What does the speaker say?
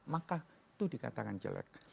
maka itu dikatakan jelek